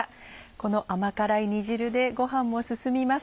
この甘辛い煮汁でご飯も進みます。